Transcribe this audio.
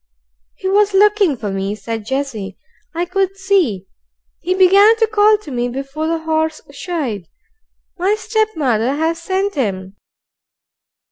"He was looking for me," said Jessie. "I could see. He began to call to me before the horse shied. My stepmother has sent him."